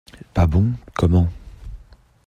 Pas bon, comment?